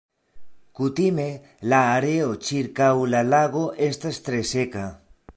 Kutime la areo ĉirkaŭ la lago estas tre seka.